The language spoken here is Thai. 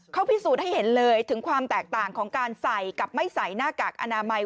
เขาพิสูจน์ให้เห็นเลยถึงความแตกต่างของการใส่กับไม่ใส่หน้ากากอนามัย